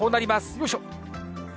よいしょ。